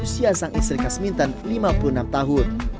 siasang istri kasmintan lima puluh enam tahun